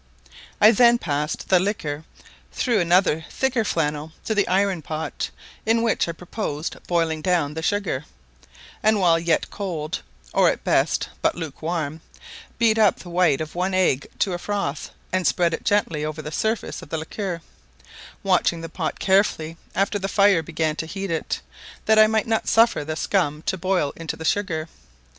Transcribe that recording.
I then passed the liquor through another thicker flannel into the iron pot, in which I purposed boiling down the sugar, and while yet cold, or at best but lukewarm, beat up the white of one egg to a froth, and spread it gently over the surface of the liquor, watching the pot carefully after the fire began to heat it, that I might not suffer the scum to boil into the sugar.